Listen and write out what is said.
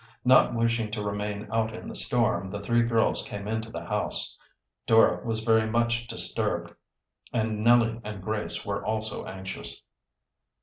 Not wishing to remain out in the storm, the three girls came into the house. "Dora was very much disturbed, and Nellie and Grace were also anxious.